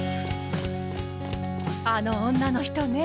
あの女の人ね